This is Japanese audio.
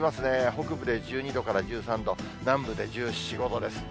北部で１２度から１３度、南部で１４、５度です。